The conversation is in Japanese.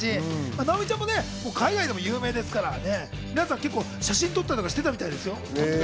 直美ちゃんは海外でも有名ですから、写真を撮ったりしていたみたいですよ。